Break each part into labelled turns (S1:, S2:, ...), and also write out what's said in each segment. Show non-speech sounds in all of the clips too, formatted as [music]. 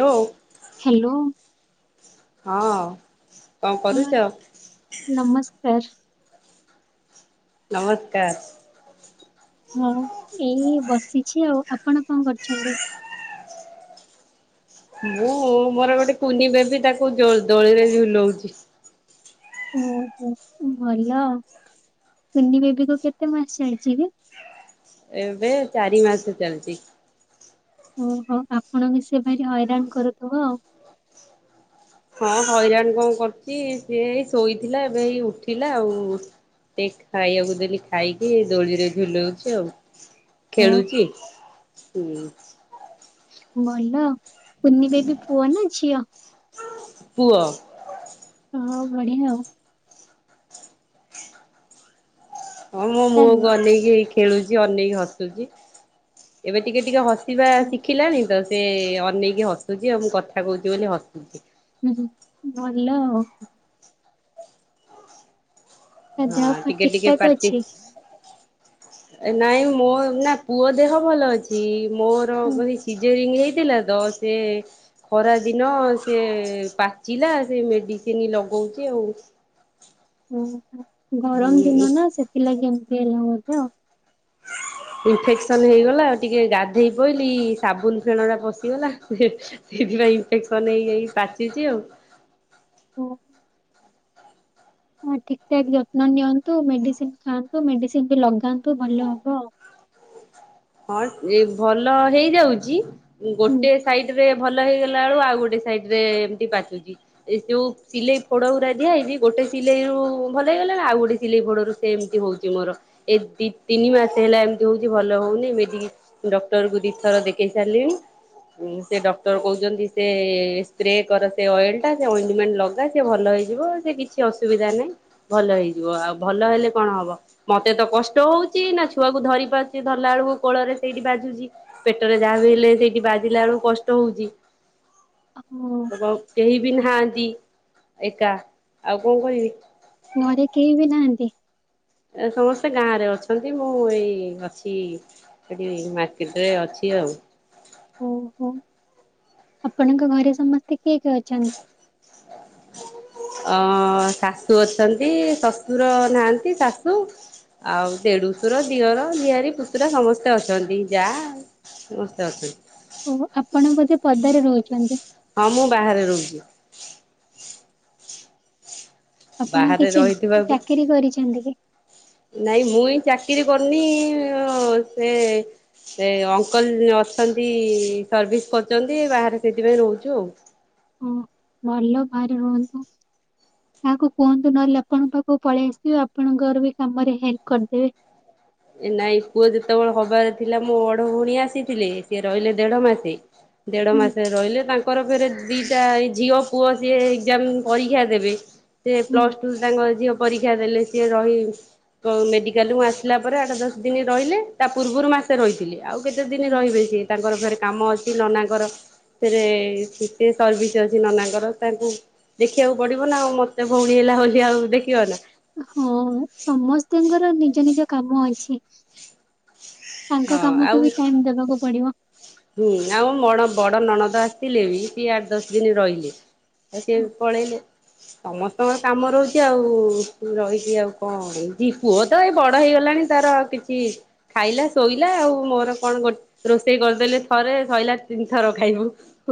S1: ଲୋ
S2: hello.
S1: ହଁ କଣ
S2: ହଁ
S1: କରୁଚ?
S2: ନମସ୍କାର।
S1: ନମସ୍କାର।
S2: ହଁ ଏଇ ବସିଛି ଆଉ ଆପଣ କଣ କରୁଛନ୍ତି?
S1: ମୁଁ ମୋର ଗୋଟେ କୁନି ବେବି ତାକୁ ଦୋ ଦୋଳିରେ ଝୁଲଉଛି।
S2: ଓହୋ ଭଲ କୁନି ବେବି କୁ କେତେ ମାସ ଚାଲିଚି କି?
S1: ଏବେ ଚାରି ମାସ ଚାଲିଚି।
S2: ଓହୋ ଆପଣଙ୍କୁ ସେ ଭାରି ହଇରାଣ କରୁଥିବ ଆଉ।
S1: ହଁ ହଇରାଣ କଣ କରୁଚି ସିଏ ଏଇ ଶୋଇଥିଲା ଏବେ ଏଇ ଉଠିଲା ଆଉ। ଟେ ଖାଇବାକୁ ଦେଲି ଖାଇକି ଏଇ ଦୋଳିରେ ଝୁଲଉଚି ଆଉ। ଖେଳୁଚି
S2: ଓହୋ
S1: ହୁଁ।
S2: ଭଲ କୁନି ବେବି ପୁଅ ନା ଝିଅ?
S1: ପୁଅ।
S2: ହଁ ବଢିଆ ଆଉ।
S1: ହଁ ମୋ
S2: ତା
S1: ମୁହଁ କୁ ଅନେଇକି ହେଇ ଖେଳୁଚି ଅନେଇକି ହସୁଛି ଏବେ ଟିକେ ଟିକେ ହସ ସିବା
S2: ହୁଁ
S1: ଶିଖିଲାଣିତ ସେ ଅନେଇକି ହସୁଛି ଆଉ, ମୁଁ କଥା କହୁଛି ବୋଲି ହସୁଛି।
S2: ଉଁ ହୁଁ ଭଲ ଆଉ। ତା
S1: ହଁ
S2: ଦେହ ପା
S1: ଟିକେ
S2: ଠିକ
S1: ଟିକେ
S2: ଠାକ
S1: ପାଟି
S2: ଅଛି?
S1: ନାଇଁ ମୋ ନା ପୁଅ ଦେହ ଭଲ ଅଛି। କି ମୋର
S2: ଓ
S1: ମାନେ ସିଜରିଙ୍ଗ ହେଇଥିଲା ତ ସେ ଖରା ଦିନ ସେ ପାଚିଲା ସେ ମେଡିସିନ ଲଗଉଚି ଆଉ।
S2: ଓହା ଗରମ ଦିନ ନା ସେଥିଲାଗି ଏମିତି ହେଲା ବୋଧେ ଆଉ।
S1: ଇନଫେକ୍ସନ ହେଇଗଲା ଟିକେ ଗାଧେଇ ପଇଲିି ସାବୁନ ଫେଣ ଟା ପଶିଗଲା। ହେଁ ହେଁ। ସେଇଥିପାଇଁ ଇନଫେକ୍ସନ ହେଇଯାଇ ପାଚିଚି ଆଉ।
S2: ହଁ। ହଁ ଠିକ ଠାକ ଯତ୍ନ ନିଅନ୍ତୁ ମେଡିସିନ ଖାଆନ୍ତୁ ମେଡିସିନ ବି ଲଗାନ୍ତୁ ଭଲ ହବ ଆଉ।
S1: ହଁ ଏ ଭଲ ହେଇଯାଉଚି
S2: ହୁଁ।
S1: ଗୋଟେ ସାଇଡ ରେ ଭଲ ହେଇଗଲା ଆଳୁକୁ ଆଉ ଗୋଟେ ସାଇଡ ରେ ଏମିତି ପାଚୁଚି। ଏ ଯୋଉ ସିଲେଇ ଫୋଡ ଉରା ଦିଆ ହେଇଛି ଗୋଟେ ସିଲେଇ ରୁ ଭଲ ହେଇଗଲାଣି ଆଉ ଗୋଟେ ସିଲେଇ ଫୋଡରୁ ସେମିତି ହଉଛି ମୋର ଏ ଦି ତିନି ମାସ ହେଲା ଏମିତି ହଉଛି ଭଲ ହଉନି। ମେଡି ଡକ୍ଟର କୁ ଦି ଥର ଦେଖେଇ ସାରିଲିଣି। ଉଁ ସେ ଡକ୍ଟର କହୁଛନ୍ତି ସେ ସ୍ପ୍ରେ କର ସେ ଅଏଲ ଟା ସେ ଅଇଟମେଣ୍ଟ ଲଗ ଲଗା ସେ ଭଲ ହେଇଯିବ ସେ କିଛି ଅସୁବିଧା ନାହିଁ ଭଲ ହେଇଯିବ। ଆଉ ଭଲ ହେଲେ କଣ ହବ? ମତେ ତ କଷ୍ଟ ହଉଚି ନା ଛୁଆକୁ ଧରି ପାରୁଚି ଧରିଲା ବେଳକୁ କୋଳରେ ସେଇଟି ବାଜୁଚି ପେଟରେ ଯାହା ବି ହେଲେ ସେଇଠି ବାଜିଲା ବେଳକୁ କଷ୍ଟ ହଉଚି।
S2: ଆଉ
S1: ଏବଂ କେହି ବି ନାହାନ୍ତି। ଏକା ଆଉ କଣ କରିବି।
S2: ଘରେ କେହି ବି ନାହାନ୍ତି?
S1: ଏ ସମସ୍ତେ ଗାଁରେ ଅଛନ୍ତି ମୁଁ ଏଇ ଅଛି ଏଠି ମାର୍କେଟରେ ଅଛି ଆଉ।
S2: ଓହୋ ଆପଣଙ୍କ ଘରେ ସମସ୍ତେ କିଏ କିଏ ଅଛନ
S1: ଅ ଶାଶୁ ଅଛନ୍ତି ଶଶୁର ନାହାନ୍ତି ଶାଶୁ। ଆଉ ଦେଡୁସୁର ଦିଅର ଜିଆରୀ ପୁଷୁରା ସମସ୍ତେ ଅଛନ୍ତି ଯା ଆଉ। ସମସ୍ତେ ଅଛନ୍ତି।
S2: ଓ ଆପଣ ବୋଧେ ପଦାରେ ରହୁଛନ୍ତି।
S1: ହଁ ମୁଁ ବାହାରେ ରହୁଛି।
S2: ଆପଣ
S1: ବାହାରେ
S2: କିଛି
S1: ରହିଥିବାକୁ
S2: ଚାକିରି କରିଛନ୍ତି କି?
S1: ନାଇଁ ମୁଇ ଚାକିରି କରିନି ସେ ସେ ଅଙ୍କଲ ଅଛନ୍ତି ସର୍ଭିସ କରୁଛନ୍ତି ବାହାରେ ସେଥିପାଇଁ ରହୁଛୁ ଆଉ।
S2: ଓ ଭଲ ବାହାରେ ରୁହନ୍ତୂ। କାହାକୁ କୁହନ୍ତୁ ନହେଲେ ଆପଣଙ୍କ ପାଖକୁ ପଳେଇ ଆସବେ ଆପଣଙ୍କର ବି କାମରେ ହେଲ୍ପ କରିଦେବେ।
S1: ଏ ନାଇଁ ପୁଅ ଯେତେବେଳେ ହବାର ଥିଲା ମୋ ବଡ ଭଉଣୀ ଆସିଥିଲେ। ସିଏ ରହିଲେ ଦେଢ ମାସେ। ଦେଢ
S2: ହୁଁ
S1: ମାସ ରହିଲେ ତାଙ୍କ ଙ୍କର ଫେରେ ଦିଟା ଝିଅ ପୁଅ ସିଏ ଏକ୍ସାମ ପରୀକ୍ଷା ଦେବେ ସେ
S2: ହୁଁ
S1: ପ୍ଲସ ଟୁ ତାଙ୍କ ଝିଅ ପରୀକ୍ଷା ଦେଲେ ସିଏ ରହି। ମେଡିକାଲରୁ ଆସିଲା ପରେ ଆଠ ଦଶ ଦିନ ରହିଲେ ତା ପୂର୍ବରୁ ମାସେ ରହିଥିଲି। ଆଉ କେତେ ଦିନ
S2: ହଁ
S1: ରହିବେ ସିଏ ତାଙ୍କର ଫେରେ କାମ ଅ ଅଛି ନନାଙ୍କର ଫେରେ ସିଏ ସର୍ଭିସ ଅଛି ନନାଙ୍କର ତାଙ୍କୁ ଦେଖିବାକୁ ପଡିବ ନା ଆଉ ମତେ ଭଉଣୀ ହେଲା ବୋଲି ଆଉ ଦେଖିବ ନା।
S2: ହଁ ସମସ୍ତଙ୍କର ନିଜ ନିଜ କାମ ଅଛି। ତାଙ୍କ
S1: ହଁ
S2: କାମକୁ
S1: ଆଉ।
S2: ବି ଟାଇମ ଦେବାକୁ ପଡିବ।
S1: ହୁଁ ଆଉ ମଣ ବଡ ନଣନ୍ଦ ଆସିଥିଲେ ବି ସିଏ ଆଠ ଦଶ ଦିନ ରହିଲେ। ସିଏ ବି ପଳେଇଲେ। ସମସ୍ତଙ୍କର କାମ ରହୁଛି ଆଉ ରହିଛିି ଆଉ କଣ ଏ ପୁଅ ତ ଏଇ ବଡ ହେଇଗଲାଣି ତାର କିଛି ଖାଇଲା ଶୋଇଲା ଆଉ ମୋର କଣ ଗୋ ରୋଷେଇ କରିଦେଲେ ଥରେ ଶଇଲା ତିନିଥର ଖାଇବୁ।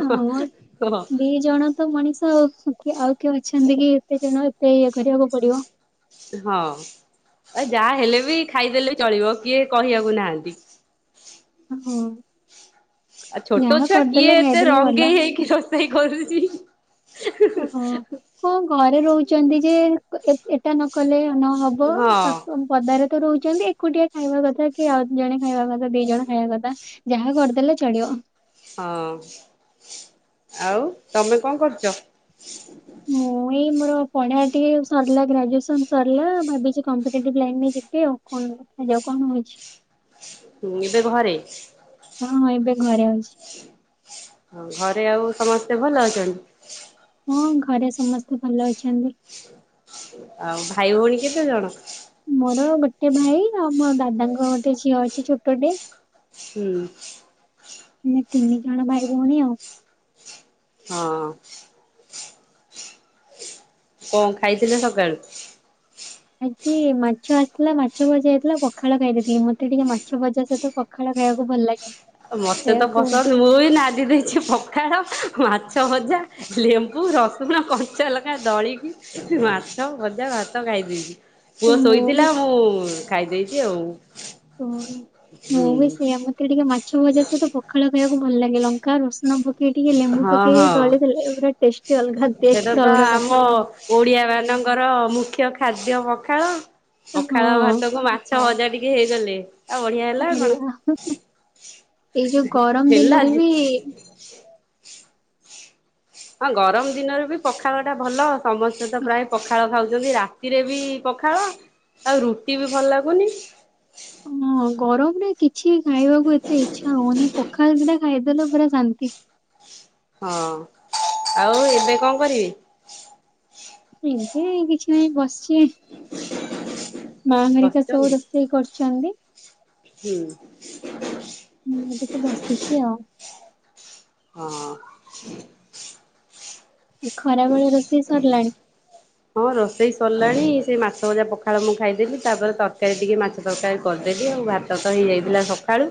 S2: ହଁ
S1: ହଁ
S2: ଦି ଜଣ ତ ମଣିଷ ଆଉ କିଏ ଅଛନ୍ତି କି ଏତେ ଜଣ ଏତେ ଇଏ କରିବାକୁ ପଡିବ।
S1: ହଁ ଆଉ ଯାହା ହେଲେ ବି ଖାଇଦେଲେ ବି ଚଳିବ କିଏ କହିବାକୁ ନାହାନ୍ତି।
S2: ହଁ।
S1: ଆଉ ଛୋଟ
S2: ଯାହା
S1: ଛୁଆ କିଏ
S2: କରିଦେଲେ
S1: ଏତେ
S2: ଖାଇଦେଲେ ଗଲା
S1: ରଙ୍ଗେଇ ହେଇକି କିଏ କରୁଛି ହୁଁ ହୁନୁ
S2: ଓହୋ।
S1: ହୁଁ।
S2: କଣ ଘରେ ରହୁଛନ୍ତି ଯେ ଏ ଏଟା ନ କଲେ ନହବ
S1: ହଁ
S2: ପଦାରେ ତ ରହୁଛନ୍ତି ଏକୁଟିଆ ଖାଇବା କଥା କି ଆଉ ଦ ଜଣେ ଖାଇବା କଥା ଦି ଜଣ ଖାଇବା କଥା। ଯାହା କରିଦେଲେ ଚଳିବ।
S1: ହଁ ଆଉ ତମେ କଣ କରୁଛ?
S2: ମୁଁ ଏଇ ମୋର ପଢା ଟିକେ ସରିଲା ଗ୍ରାଜୁଏସନ ସରିଲା ଭାବିଛି କମ୍ପିଟେଟିଭ ଲାଇନ ଯ ବି ଆଉ ଦେଖାଯାଉ କଣ ହୋଉଛି।
S1: ହୁଁ ଏବେ ଘରେ?
S2: ହଁ ହଁ ଏବେ ଘରେ ଅଛି।
S1: ହଉ ଘରେ ଆଉ ସମସ୍ତେ ଭଲ ଅଛନ୍ତି?
S2: ହଁ ଘରେ ସମସ୍ତେ ଭଲ ଅଛନ୍ତି।
S1: ଆଉ ଭାଇ ଭଉଣୀ କେତେ ଜଣ?
S2: ମୋର ଗୋଟେ ଭାଇ ଆଉ ମୋ ଦାଦାଙ୍କ ଗୋଟେ ଝିଅ ଅଛି ଛୋଟଟେ।
S1: ହୁଁ।
S2: ଆମେ ତିନି ଜଣ ଭାଇ ଭଉଣୀ ଆଉ।
S1: ହଁ। କଣ ଖାଇଥିଲେ ସକାଳୁ?
S2: ଆଜି ମାଛ ଆସିଥିଲା ମାଛ ଭଜା ହେଇଥିଲା ପଖାଳ ଖାଇଦେଇଥିଲି ମତେ ଟିକେ ମାଛ ଭଜା ସହିତ ପ ପଖାଳ ଖାଇବାକୁ ଭଲ ଲାଗେ।
S1: ମତେ ତ
S2: ସେଇଆକୁ
S1: ପସନ୍ଦ ମୁଁ ନାଦି ଦେଇଛି ପଖାଳ ମାଛ ଭଜା। ଲେମ୍ବୁ ରସୁଣ କଞ୍ଚା ଲଙ୍କା ଦଳିକି ମାଛ ଭଜା ଭାତ ଖାଇଦେଇଛି। ପୁଅ
S2: ମୁଁ ବି
S1: ଶୋଇଥିଲା
S2: ସ-
S1: ମୁଁ ଖାଇ ଦେଇଛି ଆଉ।
S2: ତ ମୁଁ
S1: ହୁଁ
S2: ବି ସେଇଆ ମତେ ଟିକେ ମାଛ ଭଜା ସହିତ ପଖାଳ କୁଇ ବାକୁ ଭଲ ଲାଗେ ଲଙ୍କା ରସୁଣ ଭୋ ଟିକିଏ ଟିକେଏ ଲେମ୍ବୁ
S1: ହଁ
S2: ପକେଇ
S1: ହଁ
S2: ଦଳି ଦେଲେ ପୁରା ଟେଷ୍ଟି ଅଲଗା ଟେଷ୍ଟ
S1: ସେଇଟା ତ
S2: ପୁରା ଅଲଗା
S1: ଆମ
S2: ପ୍ରକାର।
S1: ଓଡିଆ ମାନଙ୍କର ମୁଖ୍ୟ ଖାଦ୍ୟ ପଖାଳ।
S2: ହଁ
S1: ପଖାଳ ଭାତ କୁ ମାଛ ଭଜା ଟିକେ ହେଇଗଲେ। ଆଉ ବଢିଆ ହେଲା ଆଉ କଣ
S2: ଏଇ ଯୋଉ ଗରମ
S1: ହେଲା
S2: ଦିନରେ
S1: ଆଜି
S2: ବି
S1: ହଁ ଗରମ ଦିନରେ ବି ପଖାଳ ଟା ଭଲ ସମସ୍ତେ ତ ପ୍ରାୟ ପଖାଳ ଖାଉଛନ୍ତି ରା ରାତିରେ ବି ପଖାଳ ଆଉ ରୁଟି ବି ଭଲ ଲାଗୁନି।
S2: ହଁ ଗରମରେ କିଛି ଖାଇବାକୁ ଏତେ ଇଚ୍ଛା ହଉନି ପଖାଳ ଦି ଟା ଖାଇଦେଲ ପୁରା ଶାନ୍ତି।
S1: ହଁ ଆଉ ଏବେ କଣ କରିବି?
S2: ଏବେ କିଛି ନାଇଁ ବସିଛି।
S1: [unintelligible]
S2: ମା ହେରିକା
S1: ବସିଛନ୍ତି
S2: ସବୁ ରୋଷେଇ କରୁଛନ୍ତି। ମୁଁ ଟିକେ
S1: ହୁଁ।
S2: ବସିଛି ଆଉ
S1: ହଁ।
S2: ଖରା ବେଳେ ରୋଷେଇ ସରିଲାଣି?
S1: ହଁ ରୋଷେଇ ସରିଲାଣି ସେ ମାଛ ଭଜା ପଖାଳ ମୁଁ ଖାଇଦେବି ତାପରେ ତରକାରୀ ଟିକେ ମାଛ ତରକାର କରିଦେବି ଆଉ ଭାତ ତ ହେଇଯାଇଥିଲା ସକାଳୁ।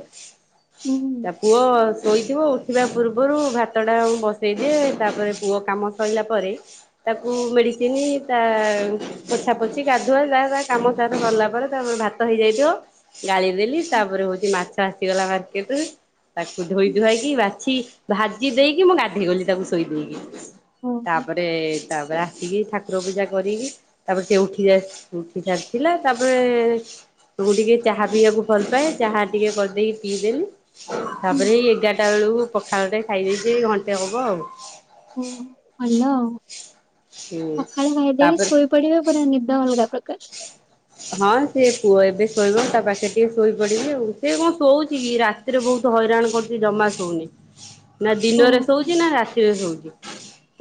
S2: ହୁଁ।
S1: ତା ପୁଅ ଶୋଇଥିବ ଉ ଉଠିବା ପୂର୍ବରୁ ଭାତ ଟା ମୁ ବସେଇଦିଏ ତାପରେ ପୁଅ କାମ ସରିଲା ପରେ ତାକୁ ମେଡି ଚିନି ତା ପୋଛା ପୋଛି ଗାଧୁଆ ଯାହା ତା କାମ ତାର ସରିଲା ପରେ ତାପରେ ଭାତ ହେଇଯାଇଥିବ। ଗାଳି ଦେଲି ତାପରେ ହଉଛି ମାଛ ଆସିଗଲା ମାର୍କେଟ ରୁ। ତାକୁ ଧୋଇ ଧୁଆଇକି ବାଛି ଭାଜି ଦେଇକି ମୁଁ ଗାଧେଇ ଗଲି ତାକୁ ଶୋଇ ଦେଇକି।
S2: ଓହୋ
S1: ତାପରେ ତାପରେ ଆ ଉଠି ଠାକୁର ପୂଜା କରିକି ତାପରେ ସେ ଉଠି ଉଠି ସାରିଥିଲା ତାପରେ ତ ମୁଁ ଟିକେ ଚାହା ପିଇବାକୁ ଭଲ ପାଏ ଚାହା ଟିକେ କରଦେଇକି ପିଇଦେଲି। ତାପରେ ଏୟୀ ଏଗାରଟା ବେଳକୁ ପଖାଳ ଟେ ଖାଇଦେଇଛି ଘଣ୍ଟେ ହବ ଆଉ।
S2: ଓ ଭଲ ଆଉ
S1: ହୁଁ।
S2: ପଖାଳ ଖାଇ ଦେଇକି
S1: ତାପରେ
S2: ଶୋଇ ପଡ଼ିବେ ପୁରା ନିଦ ଅଲଗା ପ୍ରକାର।
S1: ହଁ ସେ ପୁଅ ଏବେ ଶୋଇବ ତା ପାଖେରେ ଟିକେ ଶୋଇପଡିବି ଆଉ ସେ କଣ ଶୋଉଛି କି ରାତି ରାତିରେ ବହୁତ ହଇରାଣ କରୁଛି ଜମା ସୋଉନି।
S2: [inaudible]
S1: ନା ଦିନରେ
S2: ଓହୋ
S1: ଶୋଉଛି ନା ରାତିରେ ଶୋଉଛି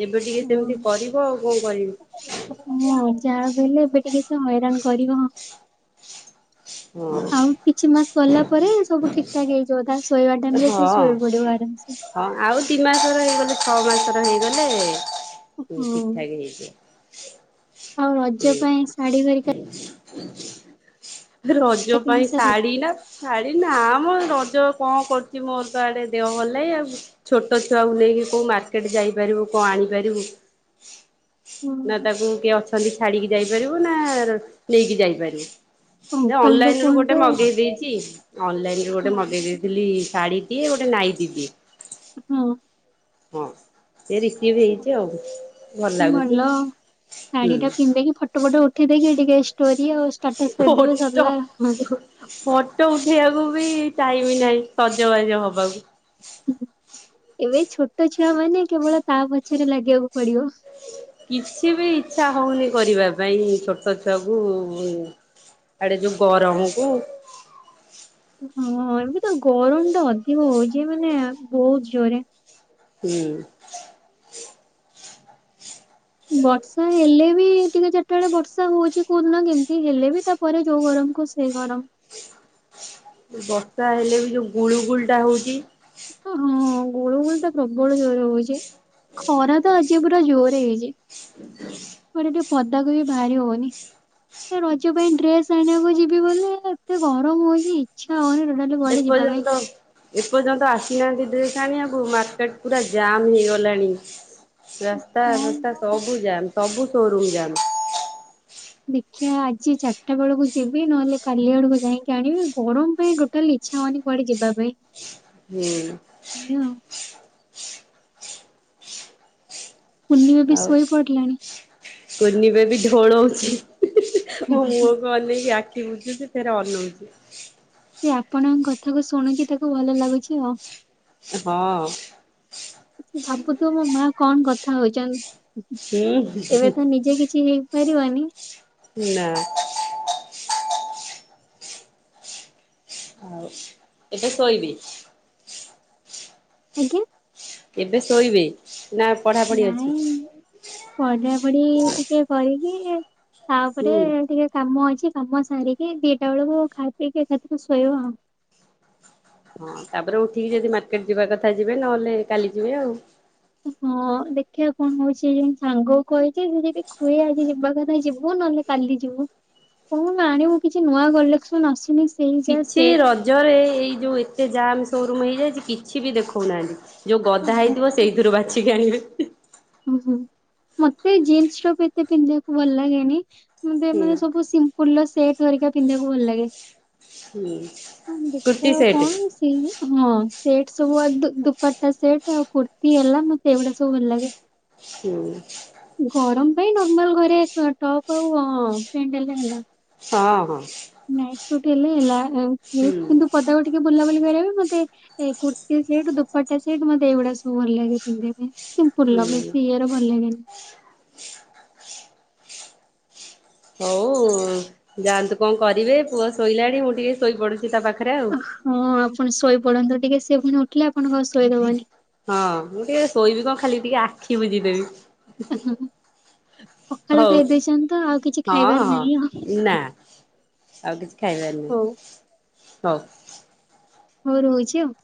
S1: ଏବେ ଟିକେ ସେମିତି କରିବ ଆଉ କଣ କରିବି।
S2: ମୁଁ ଆଉ ଯାହାବି ହେଲେ ଏବେ ଟିକେ ସେ ହଇରାଣ କରିବ ହଁ।
S1: ହୁଁ।
S2: କିଛି ମାସ ଗଲା ପରେ ସବୁ ଠିକ ଠାକ ହେଇଯିବ ତା ଶୋଇବା ଟାଇମ
S1: ହଁ।
S2: ରେ ଶୋଇ ପଡିବ ଆରାମ ସେ
S1: ହଁ ଆଉ ଦି ମାସର ହେଇଗଲେ ଛଅ ମାସର ହେଇଗଲେ ସବୁ
S2: ହୁଁ
S1: ଠିକ ଠାକ ହେଇଯିବ।
S2: ଆଉ ରଜ
S1: ହୁଁ
S2: ପାଇଁ ଶାଢୀ ହେରିକା
S1: ରଜ
S2: କିଣି
S1: ପାଇଁ
S2: ସାରିଲଣି?
S1: ଶାଢୀ ନା ଶାଢୀ ନା ମୋ ରଜ କଣ କରୁଛି ମୋର ତ ଆଡେ ଦେହ ଭଲ ନାଇଁ ଆଉ ଛୋଟ ଛୁଆକୁ ନେଇକି କୋଉ ମାର୍କେଟ ଯାଇପାରିବୁ କଣ ଆଣିପାରିବୁ? ନା ତାକୁ କିଏ ଅଛନ୍ତି ଛାଡିକି ଯାଇପାରିବୁ ନା ନେଇକି ଯାଇପାରିବୁ। ସେ
S2: ଅଙ୍କଲଙ୍କୁ
S1: ଅନଲାଇନ ରୁ ଗୋଟେ
S2: କୁହନ୍ତୁ
S1: ମଗେଇ ଦେଇଛି। ଅନଲାଇନ ରୁ ଗୋଟେ
S2: ହଁ
S1: ମଗେଇ ଦେଇ ଦେଲି ଶାଢ଼ୀଟିଏ ଗୋଟେ ନାଇଁଟି ଟିଏ।
S2: ହଁ।
S1: ହଁ ସେ ରିସିଭ ହେଇଛି ଆଉ ଭଲ ଲାଗୁଛି ହୁଁ।
S2: ପୋଟ ଫୋଟ ଉଠେଇ ଦେଇକି ଟିକେ ଷ୍ଟୋରି ଆଉ ଷ୍ଟାଟସ ଦେଇଦେବେ
S1: ଫଟୋ
S2: ସରିଲା ଆଉ
S1: ଫଟୋ ଉଠେଇବାକୁ ବି ଟାଇମ ନାହିଁ ସଜବାଜ ହବାକୁ।
S2: ଏବେ ଛୋଟ ଛୁଆ ମାନେ କେବଳ ତା ପଛରେ ଲାଗିବାକୁ ପଡିବ।
S1: କିଛି ବି ଇଚ୍ଛା ହୋଉନି କରିବା ପାଇଁ ଛୋଟ ଛୁଆକୁ ଆଡେ ଯୋଉ ଗରମକୁୁ
S2: ହଁ ଏମିତି ତ ଗରମ ଟା ଅଧିକ ହଉଚି ମାନେ ବୋହୁତ ଜୋରେ।
S1: ହୁଁ।
S2: ବର୍ଷା ହେଲେ ବି ଟିକେ ଚାରିଟାଳେ ବର୍ଷା ହଉଚି କୋଉଦିନ କେମିତି ହେଲେ ବି ତା ପରେ ଯୋଉ ଗରମ କୁ ସେ ଗରମ।
S1: ବର୍ଷା ହେଲେ ବି ଯୋଉ ଗୁଳୁ ଗୁଳି ଟା ହୋଉଚି।
S2: ଓ ହଁ ଗୁଳୁ ଗୁଳି ଟା ପ୍ରବଳ ଜୋରେ ହୋଉଚି। ଖରା ତ ଆଜି ପୁରା ଜୋରେ ହେଇଚି କୁଆଡ଼େ ଟିକେ ପଦାକୁ ବି ବାହାରି ହବନି। ଏ ରଜ ପାଇଁ ଡ୍ରେସ ଆଣିବାକୁ ଯିବି ବୋଲି ଏତେ ଗରମ ହୋଉଚି। ଇଛା ହଉନି ଟୋଟାଲି।
S1: ଏ
S2: କୁଆଡେ ଯିବା ପାଇଁ।
S1: ପର୍ଯ୍ୟନ୍ତ ଏପର୍ଯ୍ୟନ୍ତ ଆସିନାହାନ୍ତି ଡ୍ରେସ ଆଣିବାକୁ ମାର୍କେଟ ପୁରା ଜାମ୍ ହେଇଗଲାଣି। ରାସ୍ତା
S2: ହଁ
S1: ଫାସ୍ତା
S2: ବା
S1: ସବୁ ଯାମ୍ ସବୁ ସୋରୁମ ଯାମ୍।
S2: ଦେଖିଆ ଆଜି ଚାରିଟା ବେଳକୁ ଯିବି ନହେଲେ କାଲି ଆଡକୁ ଯାଇଁକି ଆଣିବି ଗରମ ପାଇଁ ଟୋ ଟାଲି ଇଚ୍ଛା ହଉନି କୁଆଡେ ଯିବା ପାଇଁ।
S1: ହୁଁ।
S2: ଏୟା ଆଉ। କୁନି ବେବି ଶୋଇ ପଡ଼ିଲାଣି।
S1: କୁନିବେବି ଢୋଳଉଚି
S2: ହୁଁ
S1: ମୋ
S2: ହୁଁ ହୁଁ
S1: ମୁହଁକୁ ଅନେଇକି ଆଖି ବୁଜୁଚି। ଫେରେ ଅନଉଚି।
S2: ସେ ଆପଣଙ୍କ କଥା କୁ ଶୁଣୁଚି ତାକୁ ଭଲ ଲାଗୁଚି ଆଉ।
S1: ହଁ।
S2: ଭାବୁଥୁବ ମୋ ମା କଣ କଥା ହଉଚନ୍ତି।
S1: ହୁଁ।
S2: ଏବେ ତ ନିଜେ କିଛି ହେଇପାରିବନି
S1: ନା। ଆଉ ଏଟା ଶୋଇବି।
S2: ଆଜ୍ଞା।
S1: ଏବେ ଶୋଇବେ ନା ପଢାପଢି ଅଛି।
S2: ପଢା ପଢି ଟିକେ କରିକି ତାପରେ
S1: ହୁଁ
S2: ଟିକେ କାମ ଅଛି କାମ ସାରିକି ଦିଟା ବେଳକୁ ଖାଇ ପିଇକି ଏକାଥରକେ ଶୋଇବା ଆଉ।
S1: ହଁ ତାପରେ ଉଠିକି ଯଦି ମାର୍କେଟ ଯିବା କଥା ଯିବେ ନହେଲେ କାଲି ଯିବେ ଆଉ।
S2: ହଁ ଦେଖିବା କଣ ହଉଚି ଯେ ସାଙ୍ଗ କହିଚି ସେ ଯଦି କୁଏ ଆଜି ଯିବା କଥା ଯିବୁ ନହେଲେ କାଲି ଯିବୁ କଣ ଆଣିବୁ କିଛି ନୂଆ କଲେକ୍ସନ ଆସନି।
S1: କିଛି ରଜରେ ଏଇ ଯୋଉ ଏତେ ଜାମ୍ ସୋରୁମ ହେଇଯାଇଚି କିଛି ବି ଦେଖଉନାହାନ୍ତି। ଯୋଉ ଗଦା ହେଇଥିବ ସେଇଥିରୁ ବାଛିକି ଆଣିବେ।
S2: ଓହୋ ମତେ ଜିନ୍ସ ଟପ୍ ଏତେ ପିନ୍ଧିବାକୁ ଭଲ ଲାଗେନି ମତେ
S1: ହୁଁ
S2: ମାନେ ସବୁ ଫୁଲ ସେଟ ହରିକ ପିନ୍ଧିବାକୁ ଭଲ ଲାଗେ
S1: ହୁଁ କୁର୍ତ୍ତି
S2: ଦେଖିବା
S1: ସେଟ୍
S2: କଣ ହଁ ସେଟ୍ ସବୁ ଦୁପଟା ସେଟ୍ ଆଉ କୁର୍ତ୍ତିୀ ହେଲା ମତେ ଏଇଗୁଡା ସବୁ ଭଲ ଲାଗେ।
S1: ହୁଁ।
S2: ଗରମ ପାଇଁ ନର୍ମାଲ ଘରେ ଟପ୍ ଆଉ ପେଣ୍ଟ ହେଲେ ହେଲା।
S1: ହଁ ହଁ।
S2: ନାଇଟ୍ ସୁଟ ହେଲେ ହେଲା
S1: ହୁଁ।
S2: କିନ୍ତୁ ପଦା---' ଟିକେ ବୁଲାବୁଲି କରିବାେ ମତେ କୁର୍ତି ସେଟ୍ ଦୁପାଟା ସେଟ୍ ମତେ ଏଇଗୂଡା ସବୁ ଭଲ ଲାଗେ ପିନ୍ଧିବା ପାଇଁ। ସିମ୍ପୁଲ ର
S1: ହୁଁ
S2: ବେଶ ଇଏ ର ଭଲ ଲଗେନି।
S1: ହୋଉ ଯାଆନ୍ତୁ କଣ କରିବେ ପୁଅ ଶୋଇଲାଣି ମୁଁ ଟିକେ ଶୋଇପଡୁଚି ତା ପାଖରେ ଆଉ।
S2: ହଁ ଆପଣ ଶୋଇ ପଡନ୍ତୁ ଟିକେ ସେଏ ପୁଣି ଉଠିଲେ ଆପଣକୁ ଆଉ ଶୋଇଦବନି।
S1: ହଁ ମୁଁ ଟିକେ ଶୋଇବି କଣ ଖାଲି ଟିକେ ଆଖି ବୁଜିଦେବି।
S2: ହଁ, ପଖାଳ
S1: ହଉ
S2: ଖାଇ ଦେଇଚନ୍ତି ତ ଆଉ କିଛି
S1: ହଁ
S2: ଖାଇବାର
S1: ହଁ।
S2: ନାହିଁ ଆଉ।
S1: ନା ଆଉ କିଛି ଖାଇବାର
S2: ହଉ
S1: ନାହିଁ ହଉ।
S2: ହଉ ରହୁଛି ଆଉ।